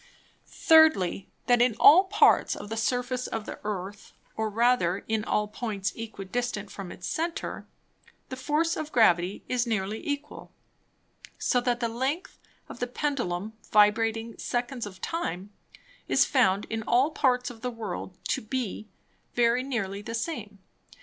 Thirdly, That in all Parts of the Surface of the Earth, or rather in all Points equidistant from its Center, the Force of Gravity is nearly equal; so that the length of the Pendulum vibrating Seconds of Time, is found in all Parts of the World to be very near the same.